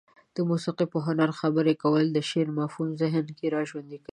د موسيقي په هنر خبرې کول د شعر مفهوم ذهن کې را ژوندى کوي.